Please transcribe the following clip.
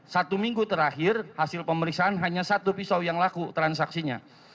satu minggu terakhir hasil pemeriksaan hanya satu pisau yang laku transaksinya